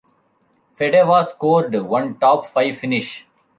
Fedewa scored one top five finish.